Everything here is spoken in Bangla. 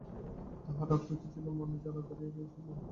তাহার রাগ হইতেছিল, মনে জ্বালা ধরিয়া গিয়াছিল।